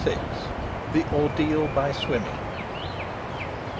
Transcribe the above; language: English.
THE ORDEAL BY SWIMMING.